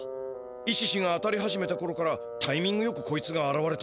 イシシが当たり始めたころからタイミングよくこいつがあらわれたんだぞ。